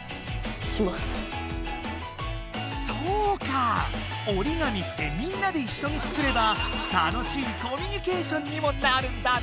そうか折り紙ってみんなでいっしょにつくれば楽しいコミュニケーションにもなるんだね！